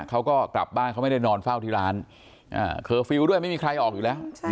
เขาก็กลับบ้านเขาไม่ได้นอนเฝ้าที่ร้านเคอร์ฟิลล์ด้วยไม่มีใครออกอยู่แล้ว